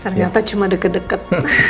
ternyata cuma deket deket